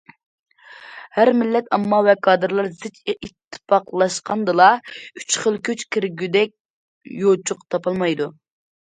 ھەر مىللەت ئامما ۋە كادىرلار زىچ ئىتتىپاقلاشقاندىلا« ئۈچ خىل كۈچ» كىرگۈدەك يوچۇق تاپالمايدۇ.